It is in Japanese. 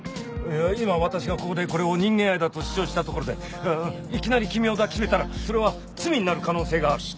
今私がここでこれを人間愛だと主張したところでいきなり君を抱きしめたらそれは罪になる可能性がある。